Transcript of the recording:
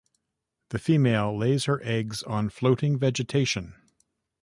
The female lays her eggs on floating vegetation.